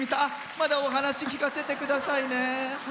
まだお話聞かせてくださいね。